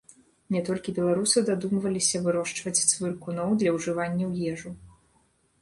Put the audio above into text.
Не толькі беларусы дадумваліся вырошчваць цвыркуноў для ўжывання ў ежу.